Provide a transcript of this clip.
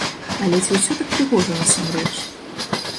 Але ці ўсё так прыгожа насамрэч?